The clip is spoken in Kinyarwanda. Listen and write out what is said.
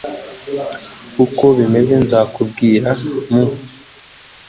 uko bimeze nzakubwira m